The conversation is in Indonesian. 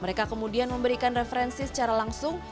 mereka kemudian memberikan referensi secara langsung